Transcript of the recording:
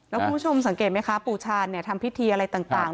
แล้วคุณผู้ชมสังเกตไหมคะปู่ชาญทำพิธีอะไรต่าง